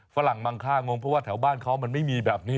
ฝรั่งมังค่างงเพราะว่าแถวบ้านเขามันไม่มีแบบนี้